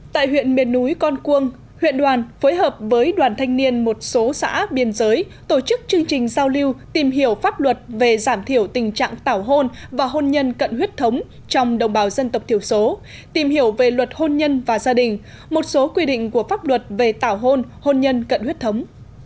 tại huyện miền núi con cuông huyện đoàn phối hợp với đoàn thanh niên một số xã biên giới tổ chức chương trình giao lưu tìm hiểu pháp luật về giảm thiểu tình trạng tảo hôn và hôn nhân cận huyết thống trong đồng bào dân tộc thiểu số tìm hiểu về luật hôn nhân và gia đình một số quy định của pháp luật về tảo hôn hôn nhân cận huyết thống